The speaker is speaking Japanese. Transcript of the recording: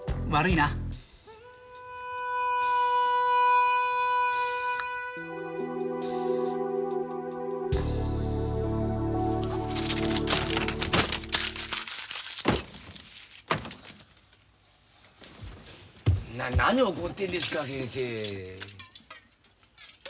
な何怒ってんですか先生。